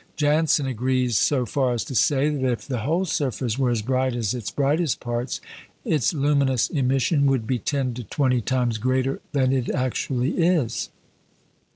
Janssen agrees, so far as to say that if the whole surface were as bright as its brightest parts, its luminous emission would be ten to twenty times greater than it actually is.